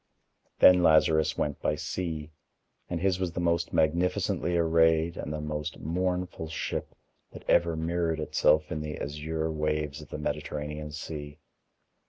Then Lazarus went by sea. And his was the most magnificently arrayed and the most mournful ship that ever mirrored itself in the azure waves of the Mediterranean Sea.